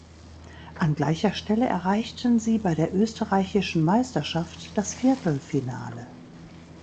An gleicher Stelle erreichten sie bei der österreichischen Meisterschaft das Viertelfinale.